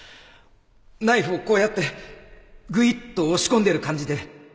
ナイフをこうやってグイッと押し込んでる感じで。